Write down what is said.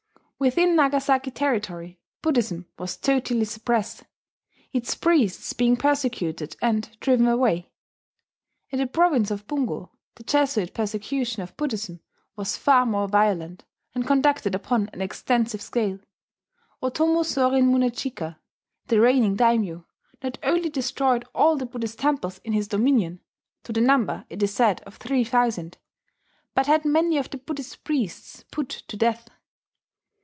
Within Nagasaki territory Buddhism was totally suppressed, its priests being persecuted and driven away. In the province of Bungo the Jesuit persecution of Buddhism was far more violent, and conducted upon an extensive scale. Otomo Sorin Munechika, the reigning daimyo, not only destroyed all the Buddhist temples in his dominion (to the number, it is said, of three thousand), but had many of the Buddhist priests put to death.